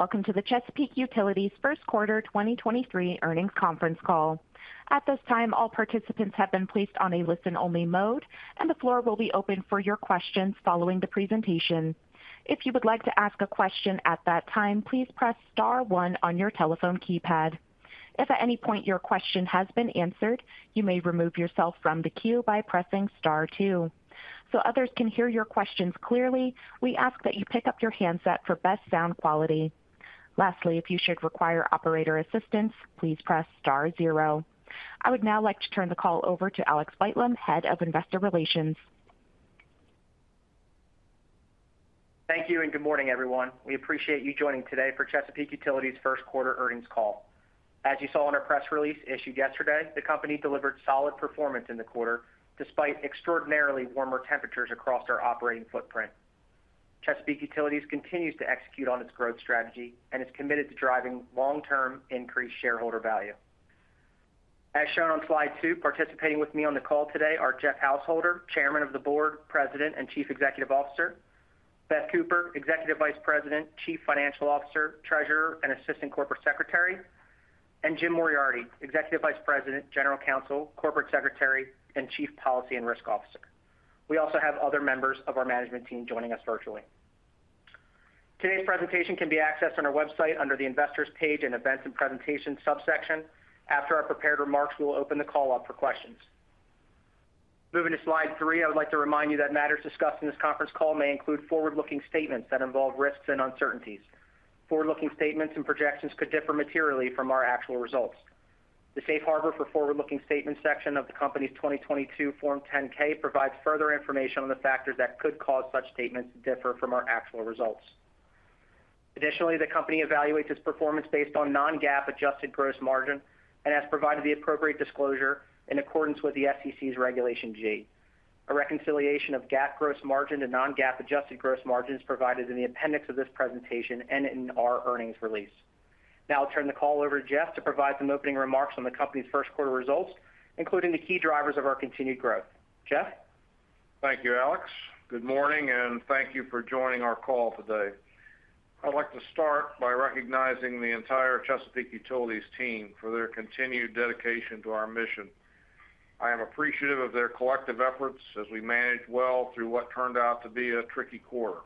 Welcome to the Chesapeake Utilities first quarter 2023 earnings conference call. At this time, all participants have been placed on a listen-only mode, and the floor will be open for your questions following the presentation. If you would like to ask a question at that time, please press star one on your telephone keypad. If at any point your question has been answered, you may remove yourself from the queue by pressing star two. Others can hear your questions clearly, we ask that you pick up your handset for best sound quality. Lastly, if you should require operator assistance, please press star zero. I would now like to turn the call over to Alexander Whitelam, Head of Investor Relations. Thank you, good morning, everyone. We appreciate you joining today for Chesapeake Utilities first quarter earnings call. As you saw in our press release issued yesterday, the company delivered solid performance in the quarter despite extraordinarily warmer temperatures across our operating footprint. Chesapeake Utilities continues to execute on its growth strategy and is committed to driving long-term increased shareholder value. As shown on slide two, participating with me on the call today are Jeff Householder, Chairman of the Board, President, and Chief Executive Officer. Beth Cooper, Executive Vice President, Chief Financial Officer, Treasurer, and Assistant Corporate Secretary. James Moriarty, Executive Vice President, General Counsel, Corporate Secretary, and Chief Policy and Risk Officer. We also have other members of our management team joining us virtually. Today's presentation can be accessed on our website under the Investors page in Events and Presentation subsection. After our prepared remarks, we will open the call up for questions. Moving to slide three, I would like to remind you that matters discussed in this conference call may include forward-looking statements that involve risks and uncertainties. Forward-looking statements and projections could differ materially from our actual results. The Safe Harbor for Forward-Looking Statements section of the company's 2022 Form 10-K provides further information on the factors that could cause such statements to differ from our actual results. Additionally, the company evaluates its performance based on non-GAAP adjusted gross margin and has provided the appropriate disclosure in accordance with the SEC's Regulation G. A reconciliation of GAAP gross margin to non-GAAP adjusted gross margin is provided in the appendix of this presentation and in our earnings release. Now I'll turn the call over to Jeff to provide some opening remarks on the company's first quarter results, including the key drivers of our continued growth. Jeff? Thank you, Alex. Good morning, thank you for joining our call today. I'd like to start by recognizing the entire Chesapeake Utilities team for their continued dedication to our mission. I am appreciative of their collective efforts as we managed well through what turned out to be a tricky quarter.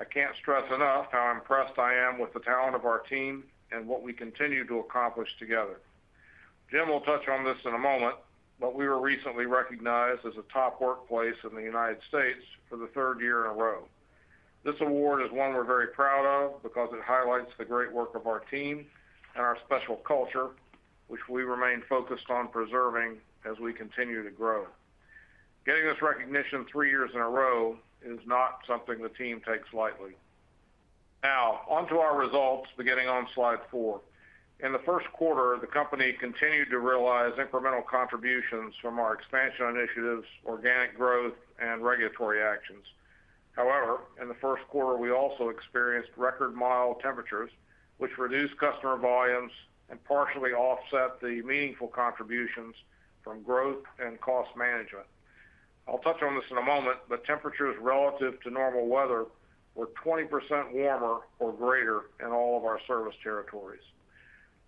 I can't stress enough how impressed I am with the talent of our team and what we continue to accomplish together. James will touch on this in a moment. We were recently recognized as a Top Workplaces in the United States for the third year in a row. This award is one we're very proud of because it highlights the great work of our team and our special culture, which we remain focused on preserving as we continue to grow. Getting this recognition three years in a row is not something the team takes lightly. On to our results, beginning on slide four. In the first quarter, the company continued to realize incremental contributions from our expansion initiatives, organic growth, and regulatory actions. In the first quarter, we also experienced record mild temperatures, which reduced customer volumes and partially offset the meaningful contributions from growth and cost management. I'll touch on this in a moment, temperatures relative to normal weather were 20% warmer or greater in all of our service territories.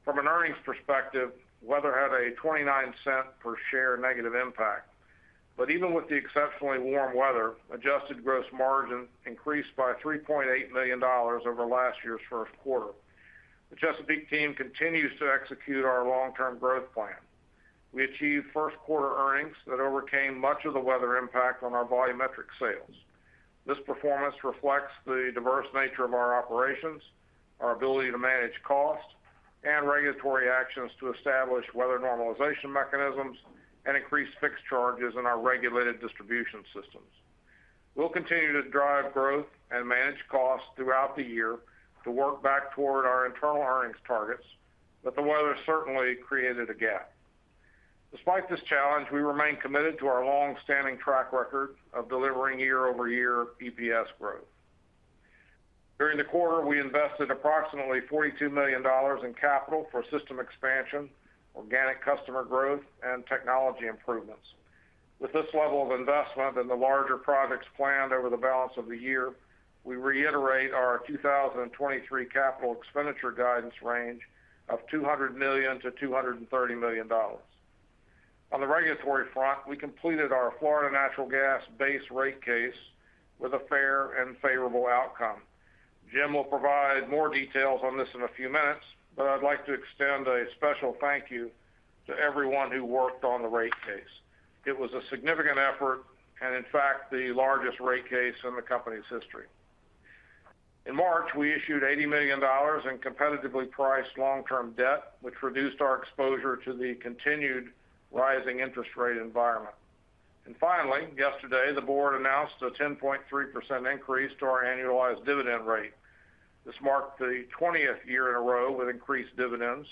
From an earnings perspective, weather had a $0.29 per share negative impact. Even with the exceptionally warm weather, adjusted gross margin increased by $3.8 million over last year's first quarter. The Chesapeake team continues to execute our long-term growth plan. We achieved first quarter earnings that overcame much of the weather impact on our volumetric sales. This performance reflects the diverse nature of our operations, our ability to manage costs, and regulatory actions to establish weather normalization mechanisms and increase fixed charges in our regulated distribution systems. We'll continue to drive growth and manage costs throughout the year to work back toward our internal earnings targets. The weather certainly created a gap. Despite this challenge, we remain committed to our long-standing track record of delivering year-over-year EPS growth. During the quarter, we invested approximately $42 million in capital for system expansion, organic customer growth, and technology improvements. With this level of investment and the larger projects planned over the balance of the year, we reiterate our 2023 capital expenditure guidance range of $200-230 million. On the regulatory front, we completed our Florida Natural Gas base rate case with a fair and favorable outcome. James will provide more details on this in a few minutes, I'd like to extend a special thank you to everyone who worked on the rate case. It was a significant effort and in fact, the largest rate case in the company's history. In March, we issued $80 million in competitively priced long-term debt, which reduced our exposure to the continued rising interest rate environment. Finally, yesterday, the board announced a 10.3% increase to our annualized dividend rate. This marked the 20th year in a row with increased dividends.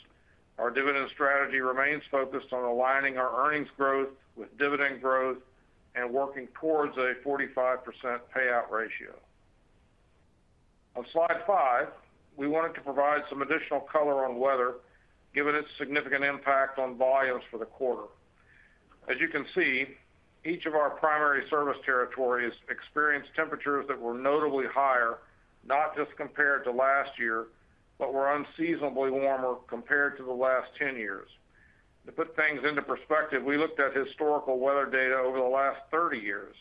Our dividend strategy remains focused on aligning our earnings growth with dividend growth and working towards a 45% payout ratio. On slide five, we wanted to provide some additional color on weather, given its significant impact on volumes for the quarter. As you can see, each of our primary service territories experienced temperatures that were notably higher, not just compared to last year, but were unseasonably warmer compared to the last 10 years. To put things into perspective, we looked at historical weather data over the last 30 years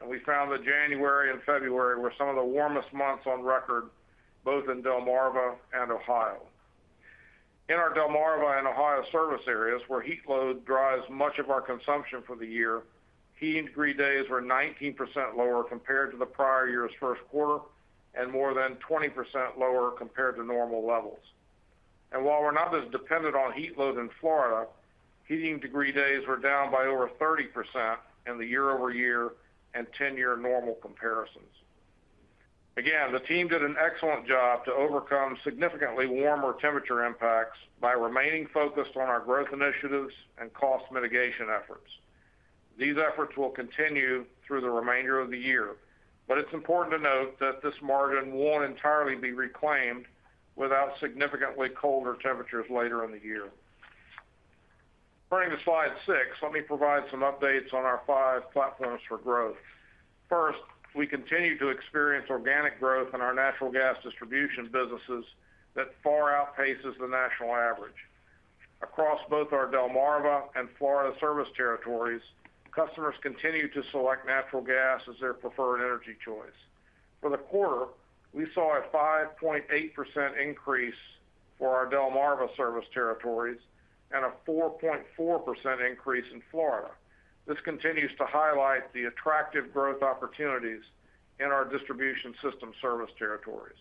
and we found that January and February were some of the warmest months on record, both in Delmarva and Ohio. In our Delmarva and Ohio service areas, where heat load drives much of our consumption for the year, heating degree days were 19% lower compared to the prior year's first quarter and more than 20% lower compared to normal levels. While we're not as dependent on heat load in Florida, heating degree days were down by over 30% in the year-over-year and 10-year normal comparisons. The team did an excellent job to overcome significantly warmer temperature impacts by remaining focused on our growth initiatives and cost mitigation efforts. These efforts will continue through the remainder of the year, but it's important to note that this margin won't entirely be reclaimed without significantly colder temperatures later in the year. Turning to slide six, let me provide some updates on our five platforms for growth. First, we continue to experience organic growth in our natural gas distribution businesses that far outpaces the national average. Across both our Delmarva and Florida service territories, customers continue to select natural gas as their preferred energy choice. For the quarter, we saw a 5.8% increase for our Delmarva service territories and a 4.4% increase in Florida. This continues to highlight the attractive growth opportunities in our distribution system service territories.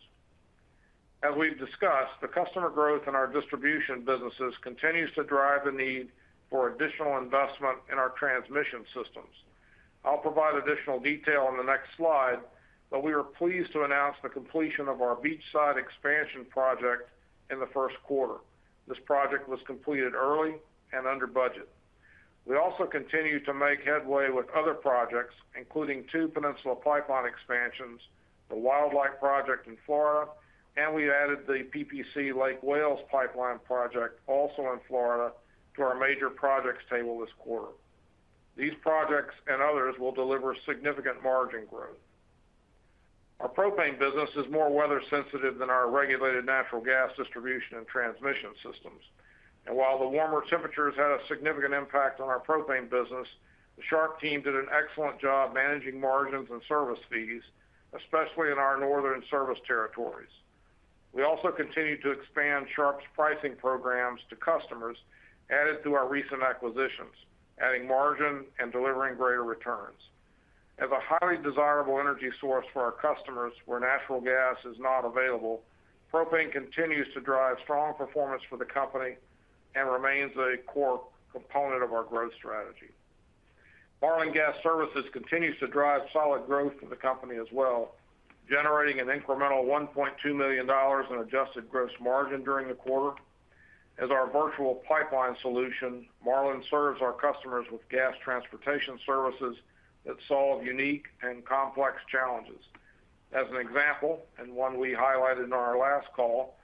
As we've discussed, the customer growth in our distribution businesses continues to drive the need for additional investment in our transmission systems. I'll provide additional detail on the next slide, but we are pleased to announce the completion of our beachside expansion project in the first quarter. This project was completed early and under budget. We also continue to make headway with other projects, including two Peninsula Pipeline expansions, the Wildlight project in Florida, and we added the PPC Lake Wales Pipeline Project, also in Florida, to our major projects table this quarter. These projects and others will deliver significant margin growth. Our propane business is more weather sensitive than our regulated natural gas distribution and transmission systems. While the warmer temperatures had a significant impact on our propane business, the Sharp team did an excellent job managing margins and service fees, especially in our northern service territories. We also continue to expand Sharp's pricing programs to customers added through our recent acquisitions, adding margin and delivering greater returns. As a highly desirable energy source for our customers where natural gas is not available, propane continues to drive strong performance for the company and remains a core component of our growth strategy. Marlin Gas Services continues to drive solid growth for the company as well, generating an incremental $1.2 million in non-GAAP adjusted gross margin during the quarter. As our virtual pipeline solution, Marlin serves our customers with gas transportation services that solve unique and complex challenges. As an example, one we highlighted in our last call,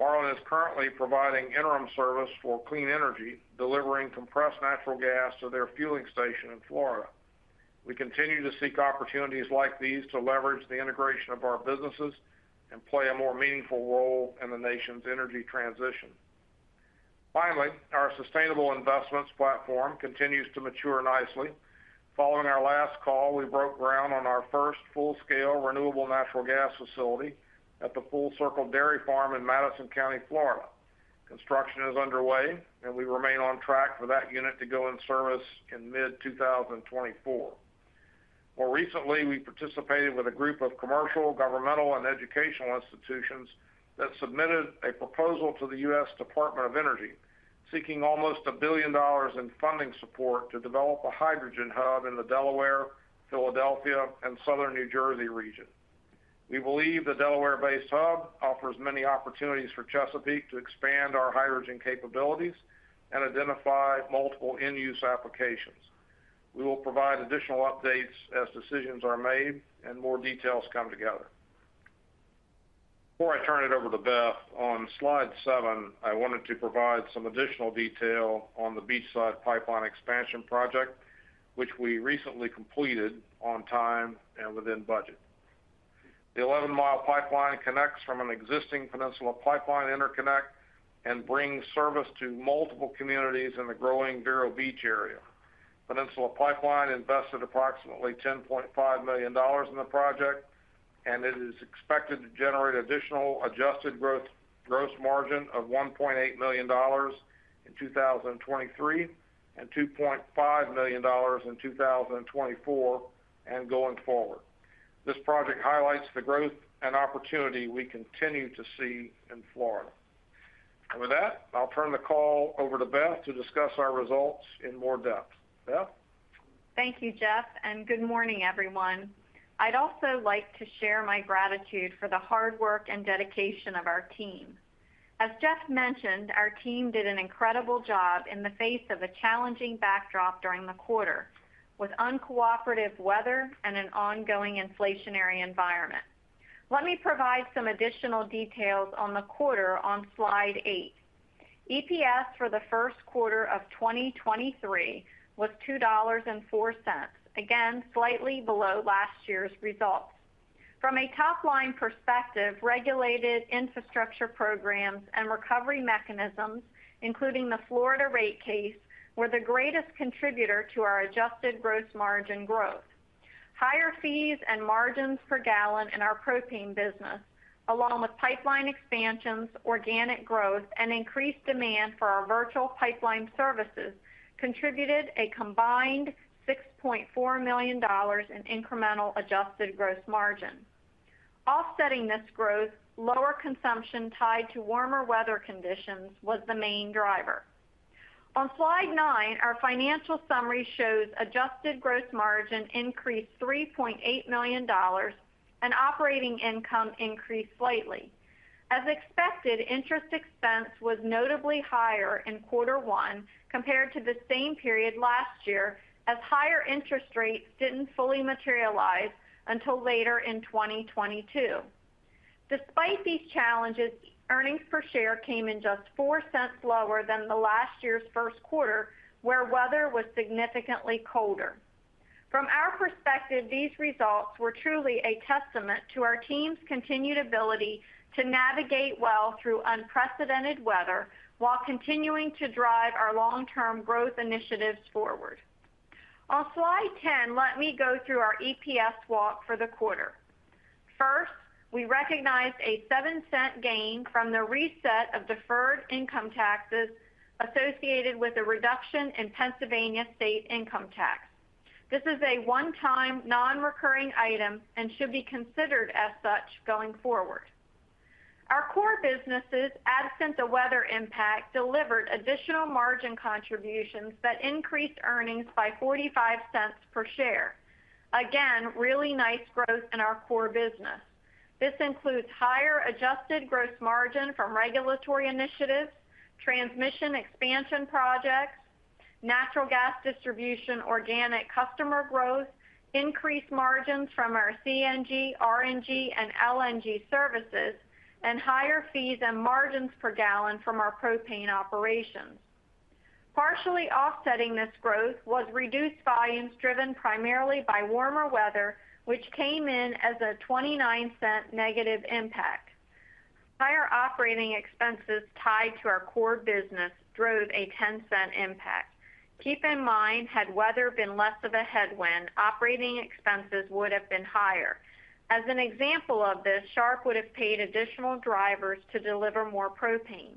Marlin is currently providing interim service for Clean Energy, delivering compressed natural gas to their fueling station in Florida. We continue to seek opportunities like these to leverage the integration of our businesses and play a more meaningful role in the nation's energy transition. Finally, our sustainable investments platform continues to mature nicely. Following our last call, we broke ground on our first full-scale renewable natural gas facility at the Full Circle Dairy Farm in Madison County, Florida. Construction is underway, and we remain on track for that unit to go in service in mid 2024. More recently, we participated with a group of commercial, governmental, and educational institutions that submitted a proposal to the U.S. Department of Energy, seeking almost $1 billion in funding support to develop a Hydrogen Hub in the Delaware, Philadelphia, and Southern New Jersey region. We believe the Delaware-based hub offers many opportunities for Chesapeake to expand our hydrogen capabilities and identify multiple end-use applications. We will provide additional updates as decisions are made and more details come together. Before I turn it over to Beth, on slide seven, I wanted to provide some additional detail on the Beachside Pipeline expansion project, which we recently completed on time and within budget. The 11-mile pipeline connects from an existing Peninsula Pipeline interconnect and brings service to multiple communities in the growing Vero Beach area. Peninsula Pipeline invested approximately $10.5 million in the project, it is expected to generate additional adjusted gross margin of $1.8 million in 2023 and $2.5 million in 2024 and going forward. This project highlights the growth and opportunity we continue to see in Florida. With that, I'll turn the call over to Beth to discuss our results in more depth. Beth? Thank you, Jeff. Good morning, everyone. I'd also like to share my gratitude for the hard work and dedication of our team. As Jeff mentioned, our team did an incredible job in the face of a challenging backdrop during the quarter with uncooperative weather and an ongoing inflationary environment. Let me provide some additional details on the quarter on slide eight. EPS for the first quarter of 2023 was $2.04. Again, slightly below last year's results. From a top line perspective, regulated infrastructure programs and recovery mechanisms, including the Florida rate case, were the greatest contributor to our adjusted gross margin growth. Higher fees and margins per gallon in our propane business, along with pipeline expansions, organic growth, and increased demand for our virtual pipeline services contributed a combined $6.4 million in incremental adjusted gross margin. Offsetting this growth, lower consumption tied to warmer weather conditions was the main driver. On slide nine, our financial summary shows adjusted gross margin increased $3.8 million and operating income increased slightly. As expected, interest expense was notably higher in quarter one compared to the same period last year, as higher interest rates didn't fully materialize until later in 2022. Despite these challenges, earnings per share came in just $0.04 lower than the last year's first quarter, where weather was significantly colder. From our perspective, these results were truly a testament to our team's continued ability to navigate well through unprecedented weather while continuing to drive our long-term growth initiatives forward. On slide 10, let me go through our EPS walk for the quarter. First, we recognized a $0.07 gain from the reset of deferred income taxes associated with a reduction in Pennsylvania state income tax. This is a one-time non-recurring item and should be considered as such going forward. Our core businesses, absent the weather impact, delivered additional margin contributions that increased earnings by $0.45 per share. Really nice growth in our core business. This includes higher adjusted gross margin from regulatory initiatives, transmission expansion projects, natural gas distribution, organic customer growth, increased margins from our CNG, RNG, and LNG services, and higher fees and margins per gallon from our propane operations. Partially offsetting this growth was reduced volumes driven primarily by warmer weather, which came in as a $0.29 negative impact. Higher operating expenses tied to our core business drove a $0.10 impact. Keep in mind, had weather been less of a headwind, operating expenses would have been higher. As an example of this, Sharp would have paid additional drivers to deliver more propane.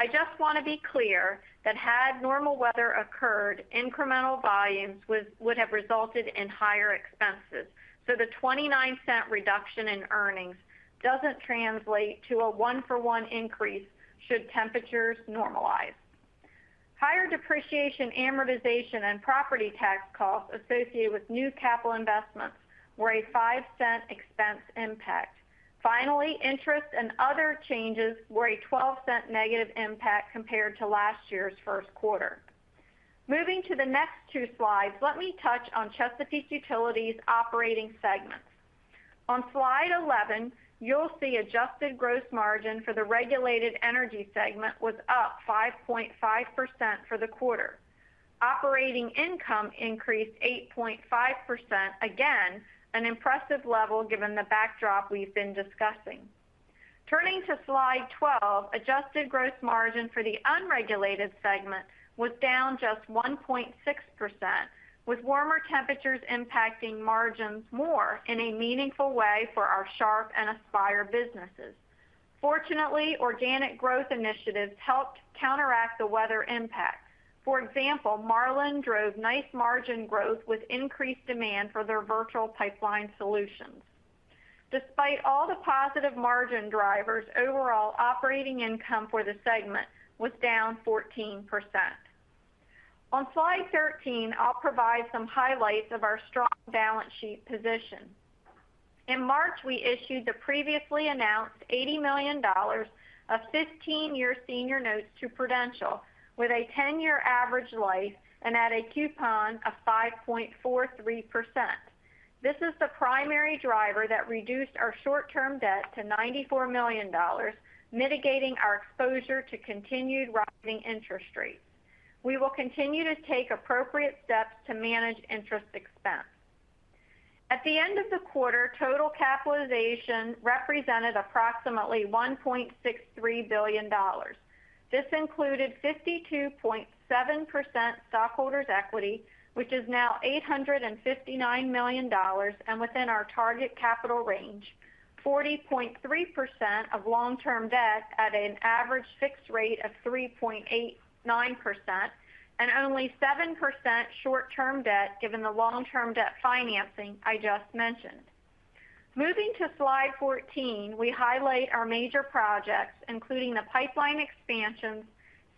I just want to be clear that had normal weather occurred, incremental volumes would have resulted in higher expenses. The $0.29 reduction in earnings doesn't translate to a one-for-one increase should temperatures normalize. Higher depreciation, amortization, and property tax costs associated with new capital investments were a $0.05 expense impact. Finally, interest and other changes were a $0.12 negative impact compared to last year's first quarter. Moving to the next two slides, let me touch on Chesapeake Utilities operating segments. On slide 11, you'll see adjusted gross margin for the regulated energy segment was up 5.5% for the quarter. Operating income increased 8.5%, again, an impressive level given the backdrop we've been discussing. Turning to slide 12, adjusted gross margin for the unregulated segment was down just 1.6%, with warmer temperatures impacting margins more in a meaningful way for our Sharp and Aspire businesses. Fortunately, organic growth initiatives helped counteract the weather impact. For example, Marlin drove nice margin growth with increased demand for their virtual pipeline solutions. Despite all the positive margin drivers, overall operating income for the segment was down 14%. On slide 13, I'll provide some highlights of our strong balance sheet position. In March, we issued the previously announced $80 million of 15-year senior notes to Prudential with a 10-year average life and at a coupon of 5.43%. This is the primary driver that reduced our short-term debt to $94 million, mitigating our exposure to continued rising interest rates. We will continue to take appropriate steps to manage interest expense. At the end of the quarter, total capitalization represented approximately $1.63 billion. This included 52.7% stockholders' equity, which is now $859 million and within our target capital range, 40.3% of long-term debt at an average fixed rate of 3.89%, and only 7% short-term debt given the long-term debt financing I just mentioned. Moving to slide 14, we highlight our major projects, including the pipeline expansions,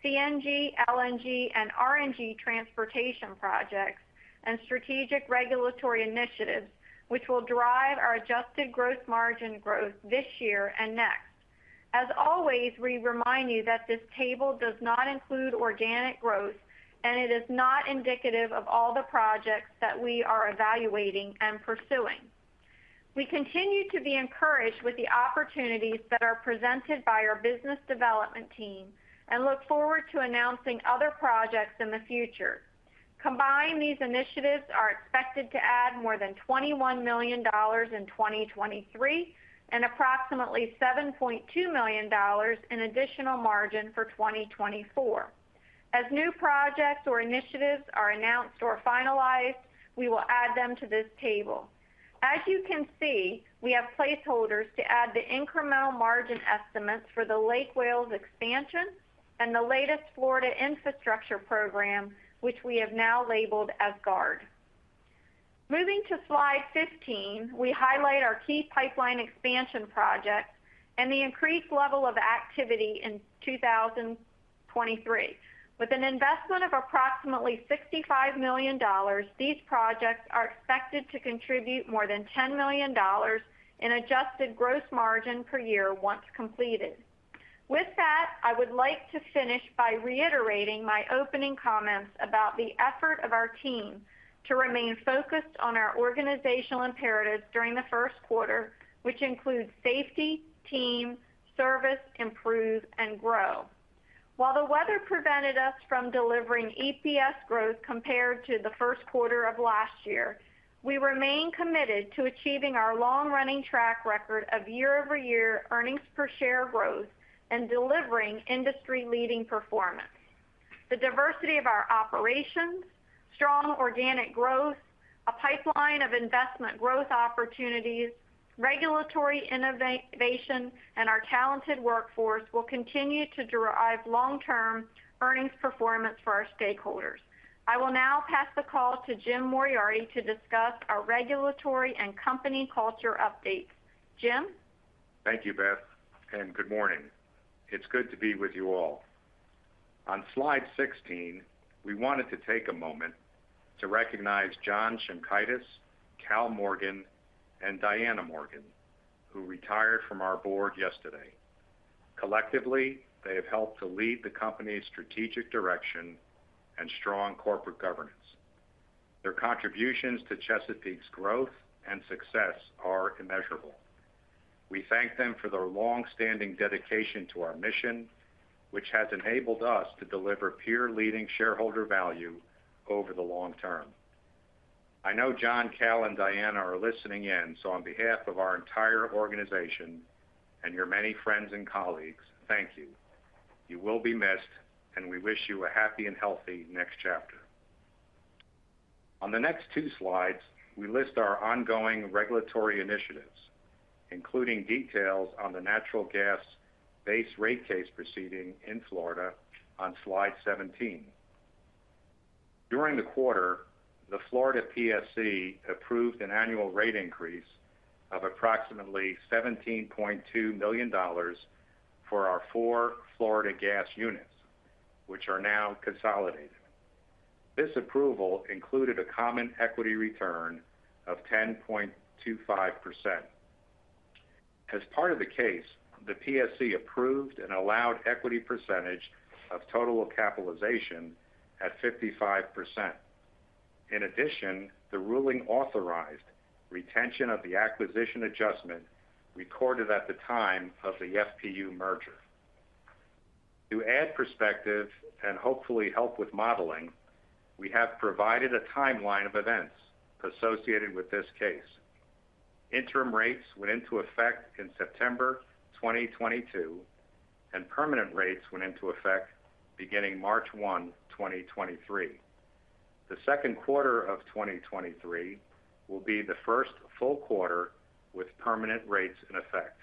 CNG, LNG, and RNG transportation projects and strategic regulatory initiatives, which will drive our adjusted gross margin growth this year and next. Always, we remind you that this table does not include organic growth and it is not indicative of all the projects that we are evaluating and pursuing. We continue to be encouraged with the opportunities that are presented by our business development team and look forward to announcing other projects in the future. Combined, these initiatives are expected to add more than $21 million in 2023 and approximately $7.2 million in additional margin for 2024. As new projects or initiatives are announced or finalized, we will add them to this table. As you can see, we have placeholders to add the incremental margin estimates for the Lake Wales expansion and the latest Florida infrastructure program, which we have now labeled as GARD. Moving to slide 15, we highlight our key pipeline expansion projects and the increased level of activity in 2023. With an investment of approximately $65 million, these projects are expected to contribute more than $10 million in adjusted gross margin per year once completed. With that, I would like to finish by reiterating my opening comments about the effort of our team to remain focused on our organizational imperatives during the first quarter, which include safety, team, service, improve and grow. While the weather prevented us from delivering EPS growth compared to the first quarter of last year, we remain committed to achieving our long-running track record of year-over-year earnings per share growth and delivering industry-leading performance. The diversity of our operations, strong organic growth, a pipeline of investment growth opportunities, regulatory innovation, and our talented workforce will continue to derive long-term earnings performance for our stakeholders. I will now pass the call to James Moriarty to discuss our regulatory and company culture updates. James? Thank you, Beth. Good morning. It's good to be with you all. On slide 16, we wanted to take a moment to recognize John Schimkaitis, Cal Morgan, and Diana Morgan, who retired from our board yesterday. Collectively, they have helped to lead the company's strategic direction and strong corporate governance. Their contributions to Chesapeake's growth and success are immeasurable. We thank them for their long-standing dedication to our mission, which has enabled us to deliver peer-leading shareholder value over the long term. I know John, Cal, and Diana are listening in, on behalf of our entire organization and your many friends and colleagues, thank you. You will be missed. We wish you a happy and healthy next chapter. On the next 2 slides, we list our ongoing regulatory initiatives, including details on the natural gas base rate case proceeding in Florida on slide 17. During the quarter, the Florida PSC approved an annual rate increase of approximately $17.2 million for our four Florida gas units, which are now consolidated. This approval included a common equity return of 10.25%. As part of the case, the PSC approved an allowed equity percentage of total capitalization at 55%. In addition, the ruling authorized retention of the acquisition adjustment recorded at the time of the FPU merger. To add perspective and hopefully help with modeling, we have provided a timeline of events associated with this case. Interim rates went into effect in September 2022, and permanent rates went into effect beginning March 1, 2023. The second quarter of 2023 will be the first full quarter with permanent rates in effect.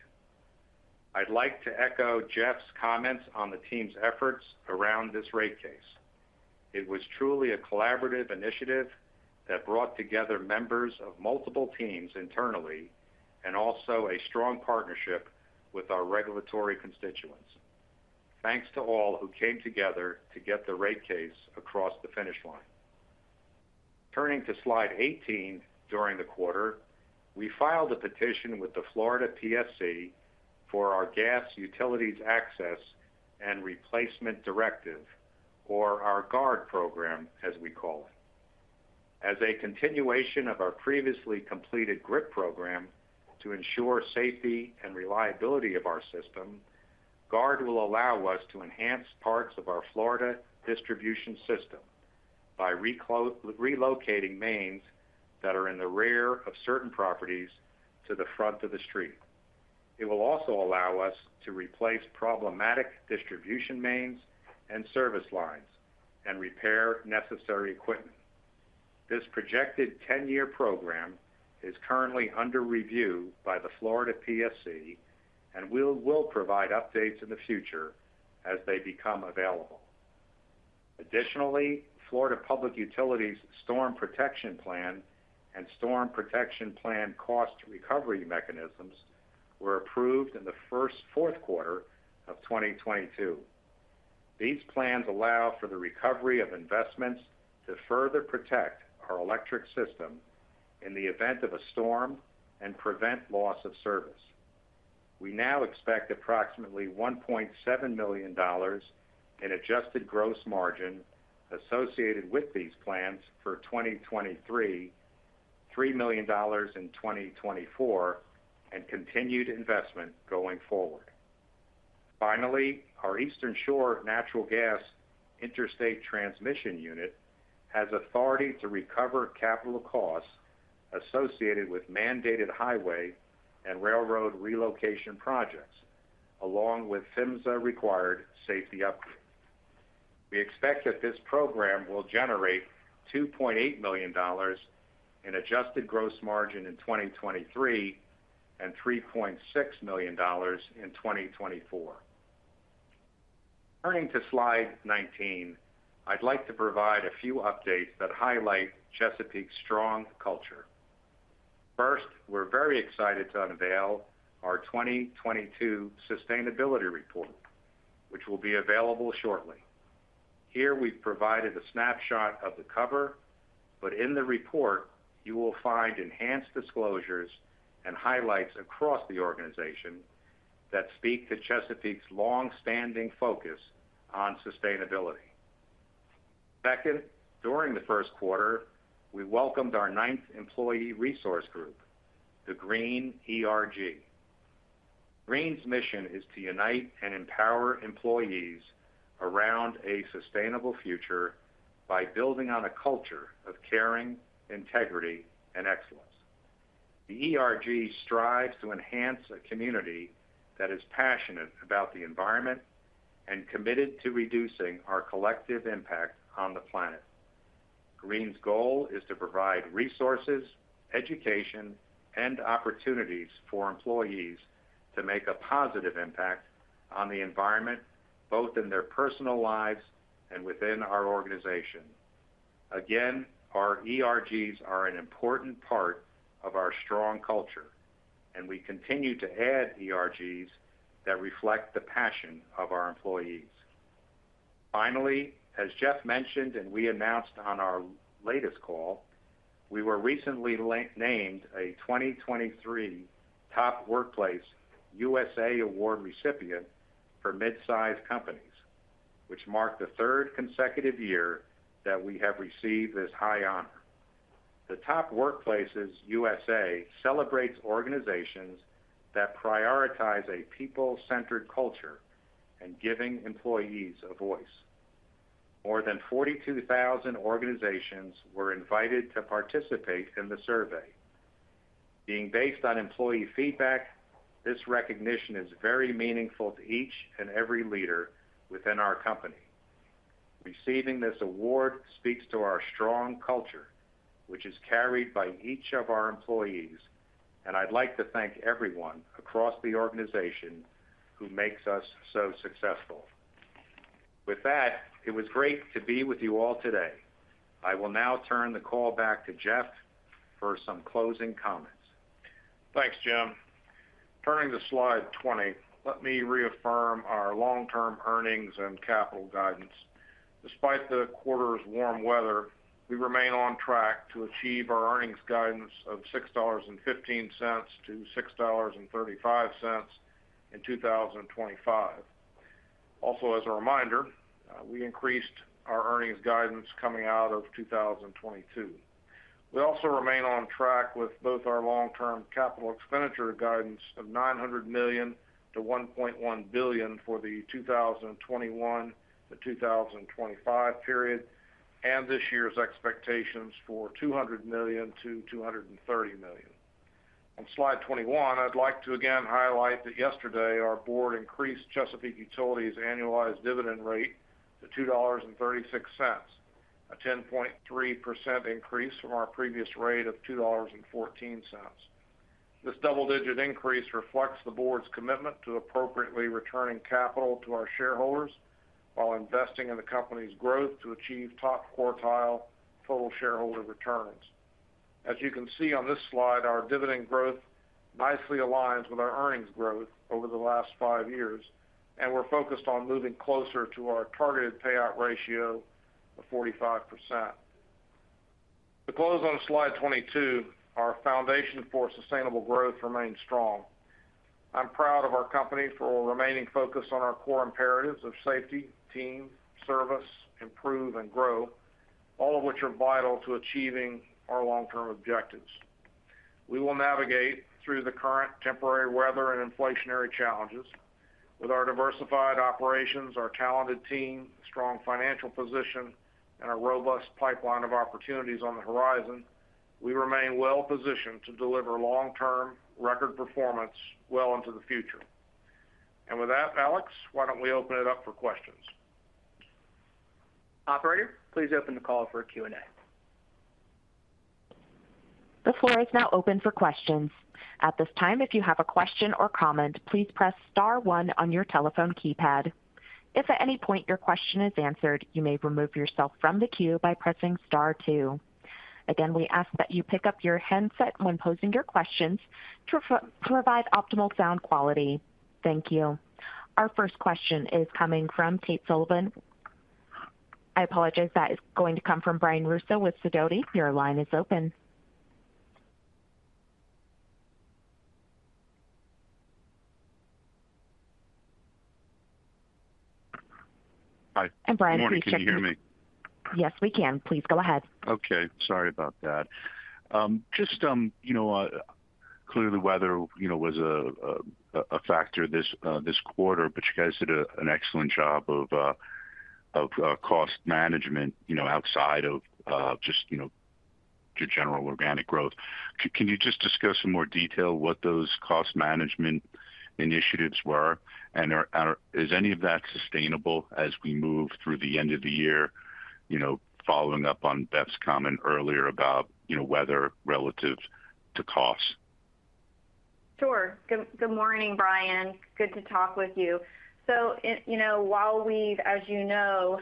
I'd like to echo Jeff's comments on the team's efforts around this rate case. It was truly a collaborative initiative that brought together members of multiple teams internally and also a strong partnership with our regulatory constituents. Thanks to all who came together to get the rate case across the finish line. Turning to slide 18, during the quarter, we filed a petition with the Florida PSC for our gas utilities access and replacement directive or our GARD program, as we call it. As a continuation of our previously completed GRIP program to ensure safety and reliability of our system, GARD will allow us to enhance parts of our Florida distribution system by relocating mains that are in the rear of certain properties to the front of the street. It will also allow us to replace problematic distribution mains and service lines and repair necessary equipment. This projected 10-year program is currently under review by the Florida PSC. We will provide updates in the future as they become available. Additionally, Florida Public Utilities Storm Protection Plan and Storm Protection Plan cost recovery mechanisms were approved in the first fourth quarter of 2022. These plans allow for the recovery of investments to further protect our electric system in the event of a storm and prevent loss of service. We now expect approximately $1.7 million in adjusted gross margin associated with these plans for 2023, $3 million in 2024, and continued investment going forward. Finally, our Eastern Shore Natural Gas Interstate Transmission Unit has authority to recover capital costs associated with mandated highway and railroad relocation projects, along with PHMSA-required safety upgrades. We expect that this program will generate $2.8 million in adjusted gross margin in 2023 and $3.6 million in 2024. Turning to slide 19, I'd like to provide a few updates that highlight Chesapeake's strong culture. First, we're very excited to unveil our 2022 sustainability report, which will be available shortly. Here, we've provided a snapshot of the cover. In the report you will find enhanced disclosures and highlights across the organization that speak to Chesapeake's longstanding focus on sustainability. Second, during the first quarter, we welcomed our ninth employee resource group, the Green ERG. Green's mission is to unite and empower employees around a sustainable future by building on a culture of caring, integrity, and excellence. The ERG strives to enhance a community that is passionate about the environment and committed to reducing our collective impact on the planet. Green's goal is to provide resources, education, and opportunities for employees to make a positive impact on the environment, both in their personal lives and within our organization. Again, our ERGs are an important part of our strong culture, and we continue to add ERGs that reflect the passion of our employees. Finally, as Jeff mentioned and we announced on our latest call, we were recently named a 2023 Top Workplaces USA award recipient for midsize companies, which marked the third consecutive year that we have received this high honor. The Top Workplaces USA celebrates organizations that prioritize a people-centered culture and giving employees a voice. More than 42,000 organizations were invited to participate in the survey. Being based on employee feedback, this recognition is very meaningful to each and every leader within our company. Receiving this award speaks to our strong culture, which is carried by each of our employees. I'd like to thank everyone across the organization who makes us so successful. With that, it was great to be with you all today. I will now turn the call back to Jeff for some closing comments. Thanks, James. Turning to slide 20, let me reaffirm our long-term earnings and capital guidance. Despite the quarter's warm weather, we remain on track to achieve our earnings guidance of $6.15 to $6.35 in 2025. As a reminder, we increased our earnings guidance coming out of 2022. We also remain on track with both our long-term capital expenditure guidance of $900 million-$1.1 billion for the 2021 to 2025 period, and this year's expectations for $200-230 million. On slide 21, I'd like to again highlight that yesterday our board increased Chesapeake Utilities' annualized dividend rate to $2.36, a 10.3% increase from our previous rate of $2.14. This double-digit increase reflects the board's commitment to appropriately returning capital to our shareholders while investing in the company's growth to achieve top-quartile total shareholder returns. As you can see on this slide, our dividend growth nicely aligns with our earnings growth over the last five years, we're focused on moving closer to our targeted payout ratio of 45%. To close on slide 22, our foundation for sustainable growth remains strong. I'm proud of our company for remaining focused on our core imperatives of safety, team, service, improve, and grow, all of which are vital to achieving our long-term objectives. We will navigate through the current temporary weather and inflationary challenges. With our diversified operations, our talented team, strong financial position, and our robust pipeline of opportunities on the horizon, we remain well positioned to deliver long-term record performance well into the future. With that, Alex, why don't we open it up for questions? Operator, please open the call for Q&A. The floor is now open for questions. At this time, if you have a question or comment, please press star one on your telephone keypad. If at any point your question is answered, you may remove yourself from the queue by pressing star two. Again, we ask that you pick up your handset when posing your questions to provide optimal sound quality. Thank you. Our first question is coming from Tate Sullivan. I apologize, that is going to come from Brian Russo with Sidoti. Your line is open. Hi. Hi, Brian. Please check your- Good morning. Can you hear me? Yes, we can. Please go ahead. Okay. Sorry about that. Just, you know, clearly weather, you know, was a factor this quarter, but you guys did an excellent job of cost management, you know, outside of, just, you know, your general organic growth. Can you just discuss in more detail what those cost management initiatives were? Is any of that sustainable as we move through the end of the year, you know, following up on Beth's comment earlier about, you know, weather relative to costs? Sure. Good, good morning, Brian. Good to talk with you. You know, while we've, as you know,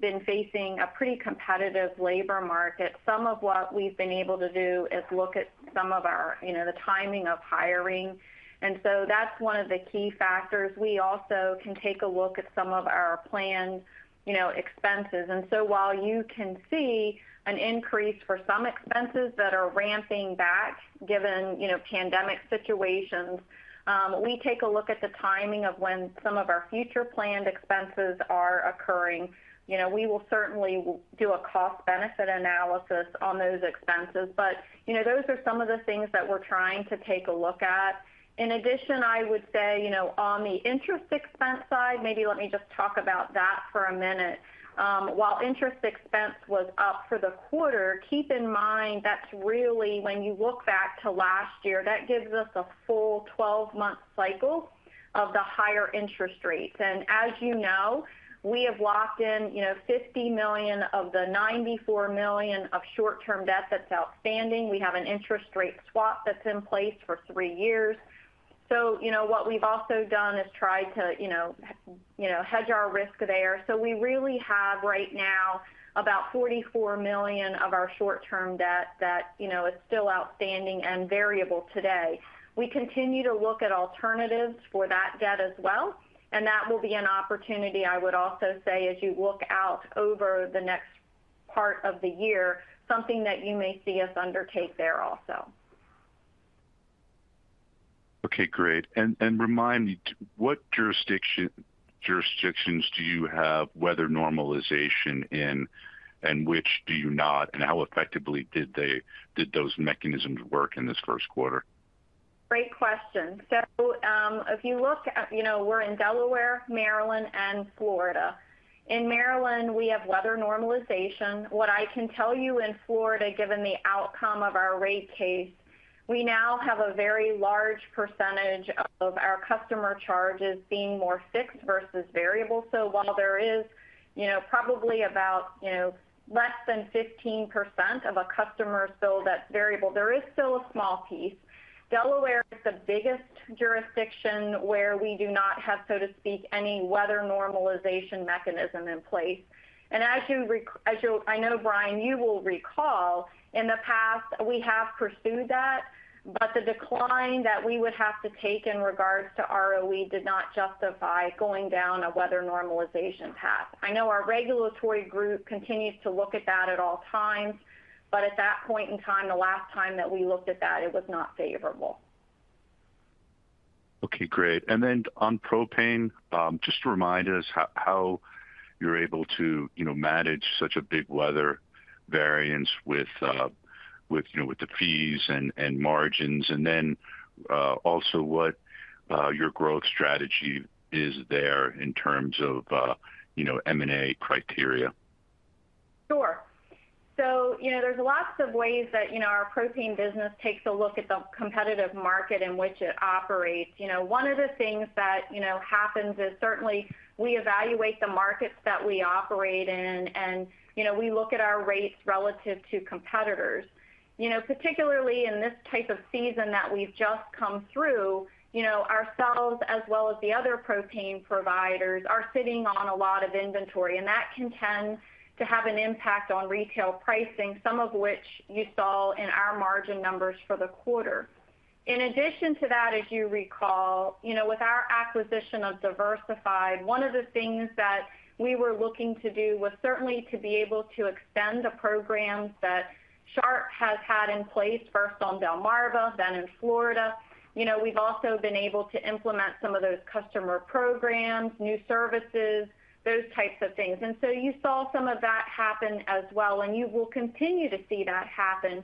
been facing a pretty competitive labor market, some of what we've been able to do is look at some of our, you know, the timing of hiring. That's one of the key factors. We also can take a look at some of our planned, you know, expenses. While you can see an increase for some expenses that are ramping back given, you know, pandemic situations, we take a look at the timing of when some of our future planned expenses are occurring. You know, we will certainly do a cost benefit analysis on those expenses. You know, those are some of the things that we're trying to take a look at. I would say, you know, on the interest expense side, maybe let me just talk about that for a minute. While interest expense was up for the quarter, keep in mind that's really when you look back to last year, that gives us a full 12-month cycle of the higher interest rates. As you know, we have locked in, you know, $50 million of the $94 million of short-term debt that's outstanding. We have an interest rate swap that's in place for three years. What we've also done is try to, you know, hedge our risk there. We really have right now about $44 million of our short-term debt that, you know, is still outstanding and variable today. We continue to look at alternatives for that debt as well, and that will be an opportunity, I would also say as you look out over the next part of the year, something that you may see us undertake there also. Okay, great. Remind me, jurisdictions do you have weather normalization in, and which do you not? How effectively did those mechanisms work in this first quarter? Great question. If you look at, you know, we're in Delaware, Maryland, and Florida. In Maryland, we have weather normalization. What I can tell you in Florida, given the outcome of our rate case, we now have a very large percentage of our customer charges being more fixed versus variable. While there is, you know, probably about, you know, less than 15% of a customer bill that's variable, there is still a small piece. Delaware is the biggest jurisdiction where we do not have, so to speak, any weather normalization mechanism in place. As you, I know, Brian, you will recall in the past we have pursued that, but the decline that we would have to take in regards to ROE did not justify going down a weather normalization path. I know our regulatory group continues to look at that at all times, but at that point in time, the last time that we looked at that, it was not favorable. Okay, great. Then on propane, just remind us how you're able to, you know, manage such a big weather variance with, you know, with the fees and margins, then also what your growth strategy is there in terms of, you know, M&A criteria? Sure. You know, there's lots of ways that, you know, our propane business takes a look at the competitive market in which it operates. You know, one of the things that, you know, happens is certainly we evaluate the markets that we operate in and, you know, we look at our rates relative to competitors. You know, particularly in this type of season that we've just come through, you know, ourselves as well as the other propane providers are sitting on a lot of inventory, and that can tend to have an impact on retail pricing, some of which you saw in our margin numbers for the quarter. In addition to that, as you recall, you know, with our acquisition of Diversified, one of the things that we were looking to do was certainly to be able to extend the programs that Sharp has had in place, first on Delmarva, then in Florida. You know, we've also been able to implement some of those customer programs, new services, those types of things. You saw some of that happen as well, and you will continue to see that happen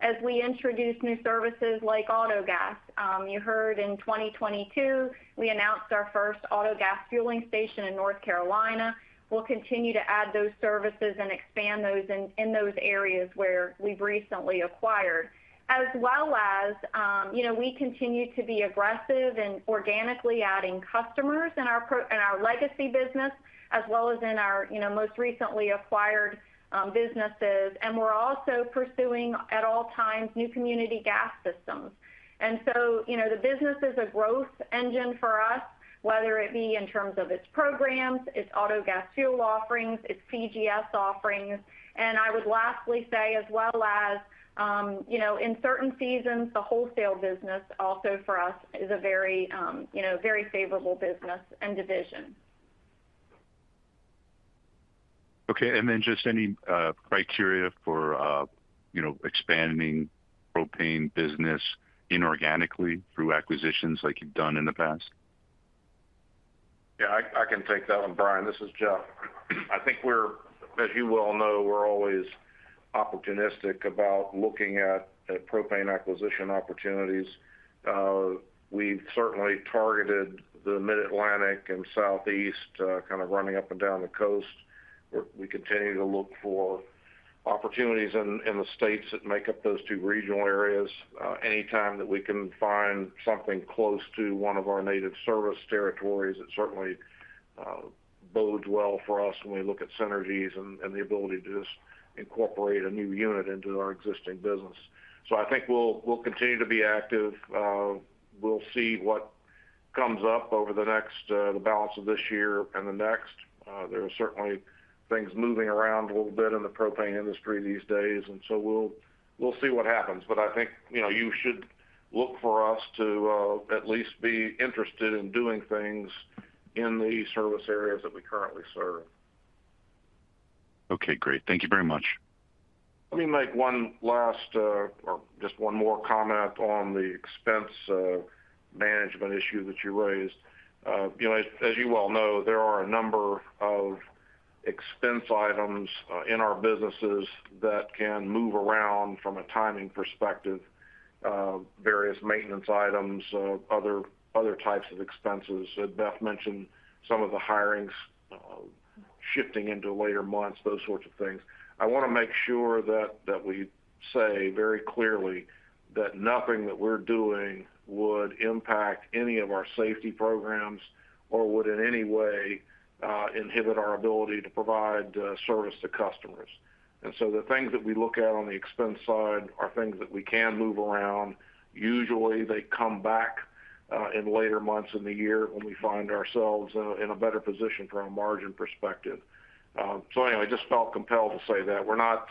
as we introduce new services like AutoGas. You heard in 2022 we announced our first AutoGas fueling station in North Carolina. We'll continue to add those services and expand those in those areas where we've recently acquired. As well as, you know, we continue to be aggressive in organically adding customers in our legacy business as well as in our, you know, most recently acquired, businesses. We're also pursuing at all times new community gas systems. You know, the business is a growth engine for us, whether it be in terms of its programs, its AutoGas fuel offerings, its CGS offerings. I would lastly say as well as, you know, in certain seasons, the wholesale business also for us is a very, you know, very favorable business and division. Okay. Just any criteria for, you know, expanding propane business inorganically through acquisitions like you've done in the past? I can take that one, Brian. This is Jeff. I think as you well know, we're always opportunistic about looking at propane acquisition opportunities. We've certainly targeted the Mid-Atlantic and Southeast, kind of running up and down the coast. We continue to look for opportunities in the states that make up those two regional areas. Anytime that we can find something close to one of our native service territories, it certainly bodes well for us when we look at synergies and the ability to just incorporate a new unit into our existing business. I think we'll continue to be active. We'll see what comes up over the next, the balance of this year and the next. There are certainly things moving around a little bit in the propane industry these days, and so we'll see what happens. I think, you know, you should look for us to at least be interested in doing things in the service areas that we currently serve. Okay, great. Thank you very much. Let me make one last, or just one more comment on the expense management issue that you raised. You know, as you well know, there are a number of expense items in our businesses that can move around from a timing perspective, various maintenance items, other types of expenses. Beth mentioned some of the hirings, shifting into later months, those sorts of things. I wanna make sure that we say very clearly that nothing that we're doing would impact any of our safety programs or would in any way inhibit our ability to provide service to customers. The things that we look at on the expense side are things that we can move around. Usually they come back in later months in the year when we find ourselves in a better position from a margin perspective. I just felt compelled to say that we're not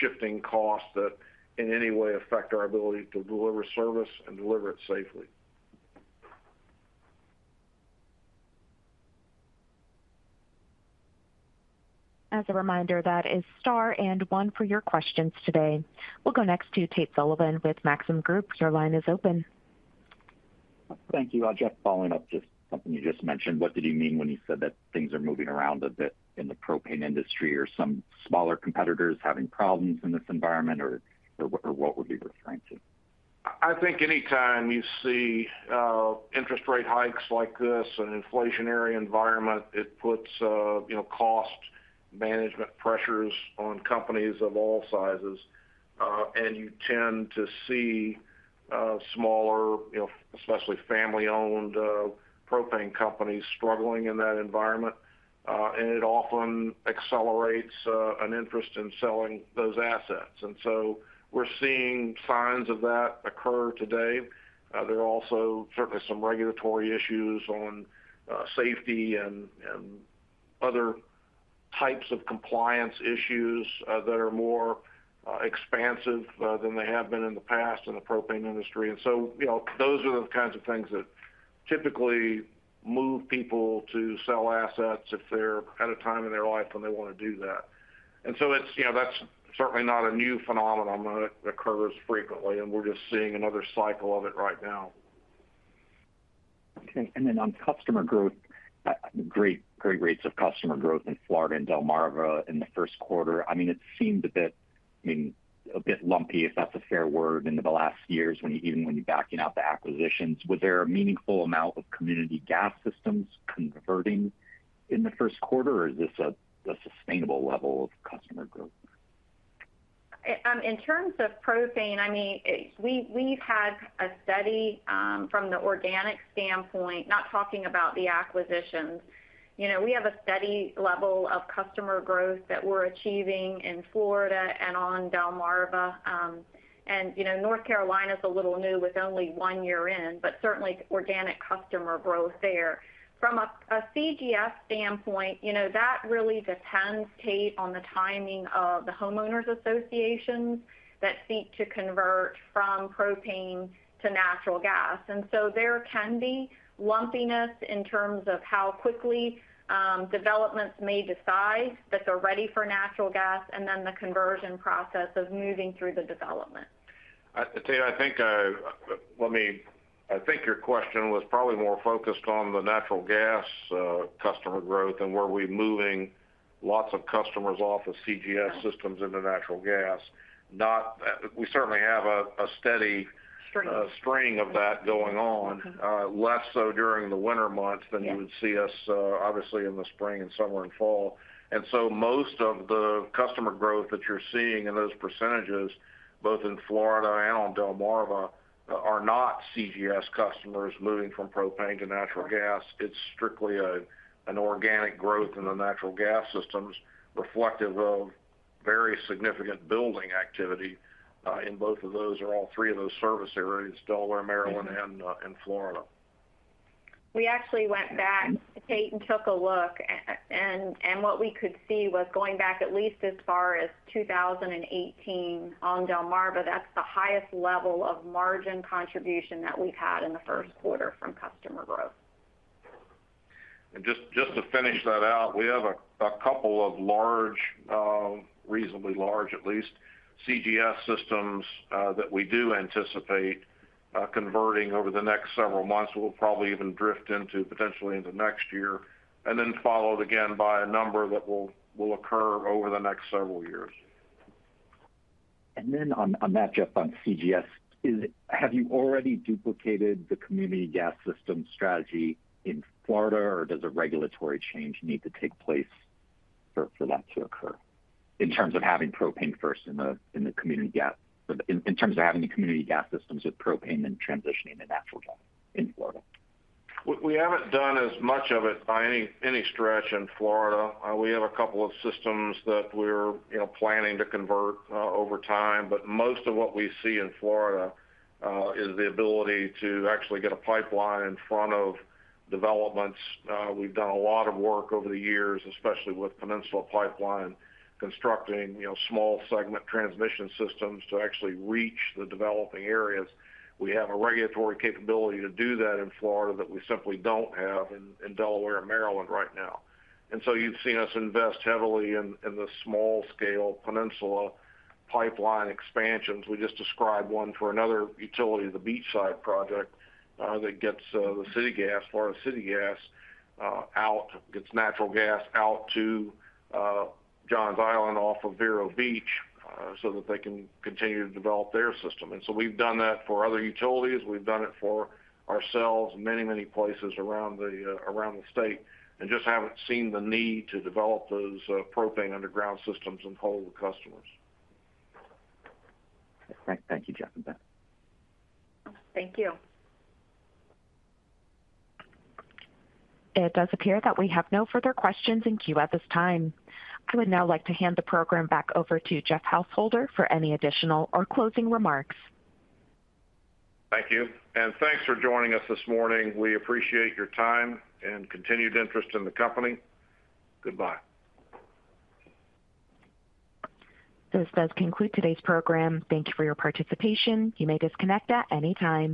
shifting costs that in any way affect our ability to deliver service and deliver it safely. As a reminder, that is star and one for your questions today. We'll go next to Tate Sullivan with Maxim Group. Your line is open. Thank you. Jeff, following up just something you just mentioned. What did you mean when you said that things are moving around a bit in the propane industry? Are some smaller competitors having problems in this environment or what were you referring to? I think anytime you see interest rate hikes like this, an inflationary environment, it puts, you know, cost management pressures on companies of all sizes, and you tend to see smaller, you know, especially family-owned, propane companies struggling in that environment. It often accelerates an interest in selling those assets. We're seeing signs of that occur today. There are also certainly some regulatory issues on safety and other types of compliance issues that are more expansive than they have been in the past in the propane industry. You know, those are the kinds of things that typically move people to sell assets if they're at a time in their life when they want to do that. It's, you know, that's certainly not a new phenomenon. It occurs frequently, and we're just seeing another cycle of it right now. Okay. On customer growth, great rates of customer growth in Florida and Delmarva in the first quarter. I mean, it seemed a bit lumpy, if that's a fair word, end of the last years even when you're backing out the acquisitions. Was there a meaningful amount of community gas systems converting in the first quarter, or is this a sustainable level of customer growth? In terms of propane, I mean, we've had a steady, from the organic standpoint, not talking about the acquisitions. You know, we have a steady level of customer growth that we're achieving in Florida and on Delmarva. You know, North Carolina is a little new with only one year in, but certainly organic customer growth there. From a CGS standpoint, you know, that really depends, Tate, on the timing of the homeowners associations that seek to convert from propane to natural gas. There can be lumpiness in terms of how quickly developments may decide that they're ready for natural gas and then the conversion process of moving through the development. I, Tate, I think your question was probably more focused on the natural gas customer growth and were we moving lots of customers off of CGS systems into natural gas. We certainly have a steady. String ... string of that going on. Mm-hmm. Less so during the winter months than you would see us, obviously in the spring and summer and fall. Most of the customer growth that you're seeing in those percentages, both in Florida and on Delmarva, are not CGS customers moving from propane to natural gas. It's strictly an organic growth in the natural gas systems reflective of very significant building activity, in both of those or all three of those service areas, Delaware, Maryland, and Florida. We actually went back, Tate, and took a look and what we could see was going back at least as far as 2018 on Delmarva, that's the highest level of margin contribution that we've had in the first quarter from customer growth. Just to finish that out, we have a couple of large, reasonably large, at least CGS systems that we do anticipate converting over the next several months. We'll probably even drift into potentially into next year and then followed again by a number that will occur over the next several years. On, on that, Jeff, on CGS, have you already duplicated the community gas system strategy in Florida, or does a regulatory change need to take place for that to occur in terms of having propane first in terms of having the community gas systems with propane then transitioning to natural gas in Florida? We haven't done as much of it by any stretch in Florida. We have a couple of systems that we're, you know, planning to convert over time. Most of what we see in Florida is the ability to actually get a pipeline in front of developments. We've done a lot of work over the years, especially with Peninsula Pipeline, constructing, you know, small segment transmission systems to actually reach the developing areas. We have a regulatory capability to do that in Florida that we simply don't have in Delaware and Maryland right now. So you've seen us invest heavily in the small scale Peninsula Pipeline expansions. We just described one for another utility, the Beachside Project, that gets Florida City Gas out, gets natural gas out to John's Island off of Vero Beach, so that they can continue to develop their system. We've done that for other utilities. We've done it for ourselves many, many places around the around the state and just haven't seen the need to develop those propane underground systems and hold the customers. Great. Thank you, Jeff. Thank you. It does appear that we have no further questions in queue at this time. I would now like to hand the program back over to Jeff Householder for any additional or closing remarks. Thank you. Thanks for joining us this morning. We appreciate your time and continued interest in the company. Goodbye. This does conclude today's program. Thank you for your participation. You may disconnect at any time.